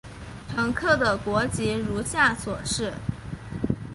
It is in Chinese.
乘客的国籍如下所示。